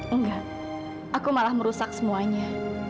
enggak aku malah merusak semuanya